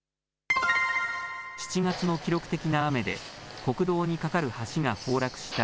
７月の記録的な雨で国道に架かる橋が崩落した